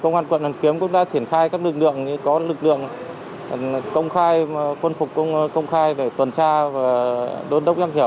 công an quận hoàn kiếm cũng đã triển khai các lực lượng có lực lượng công khai quân phục công khai để tuần tra và đốt đốc nhắc nhở